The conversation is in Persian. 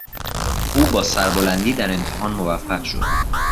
او با سربلندی در امتحان موفق شد.